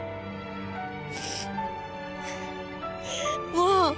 もう！